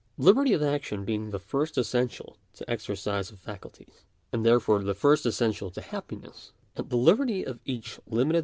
Liberty of action being the first essential to exercise of faculties, and therefore the first essential to happiness ; and the liberty of each limited